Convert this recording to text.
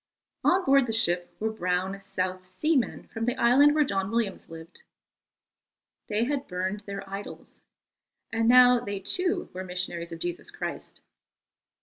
On board the ship were brown South Sea men from the island where John Williams lived. They had burned their idols, and now they too were missionaries of Jesus Christ.